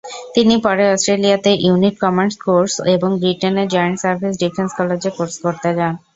তিনি পরে অস্ট্রেলিয়াতে ইউনিট কমান্ড কোর্স এবং ব্রিটেনের জয়েন্ট সার্ভিস ডিফেন্স কলেজে কোর্স করতে যান।